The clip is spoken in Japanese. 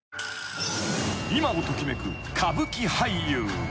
［今を時めく歌舞伎俳優］